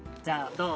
どう？